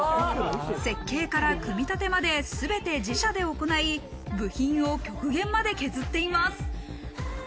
設計から組み立てまで全て自社で行い、部品を極限まで削っています。